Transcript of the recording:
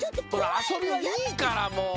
あそびはいいからもう。